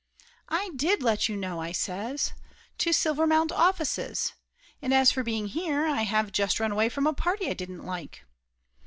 "I did let you know!" I says. "To Silvermount offices! And as for being here, I have just run away from a party I didn't like